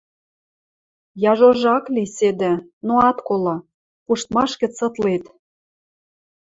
— Яжожы ак ли, седӹ, но ат колы, пуштмаш гӹц ытлет...